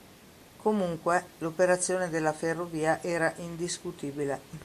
Comunque, l'operazione della ferrovia era indiscutibile.